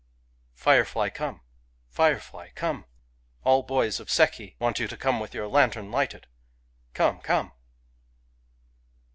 Firefly, come ! firefly, come ! All the boys of Seki [want you to come] with your lantern lighted ! Come ! come!